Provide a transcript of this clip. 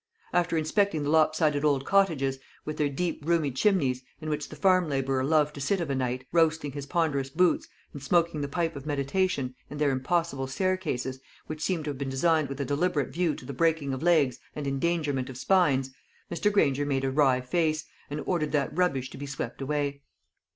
After inspecting the lop sided old cottages, with their deep roomy chimneys, in which the farm labourer loved to sit of a night, roasting his ponderous boots, and smoking the pipe of meditation, and their impossible staircases, which seemed to have been designed with a deliberate view to the breaking of legs and endangerment of spines, Mr. Granger made a wry face, and ordered that rubbish to be swept away.